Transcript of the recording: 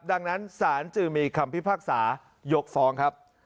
ดังนั้นศาลจึงมีคำพิพากษายกฟ้องครับ